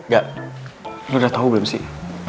gak lo udah tau belum sih